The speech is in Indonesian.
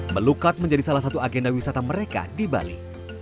melukat menjadi salah satu agenda wisata mereka di bali